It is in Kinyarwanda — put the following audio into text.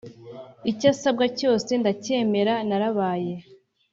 icyasabwa cyose ndacyemera narabaye